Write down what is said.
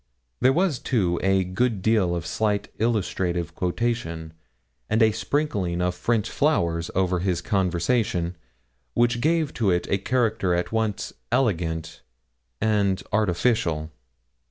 There was, too, a good deal of slight illustrative quotation, and a sprinkling of French flowers, over his conversation, which gave to it a character at once elegant and artificial.